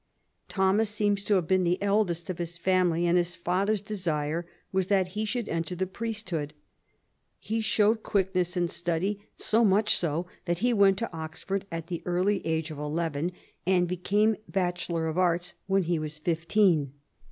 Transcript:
Thomas seems to have been the eldest of his family, and his father's desire was that he should enter the priesthood. He showed quickness in study ; so much so that he went to Oxford at the early age of eleven, and became Bachelor of Arts when he was fifteen.